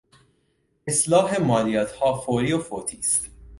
اصلاح مالیاتها فوری و فوتی است.